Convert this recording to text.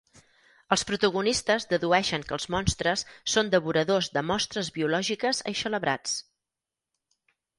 Els protagonistes dedueixen que els monstres són devoradors de mostres biològiques eixelebrats.